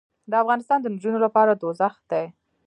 دافغانستان د نجونو لپاره دوزخ دې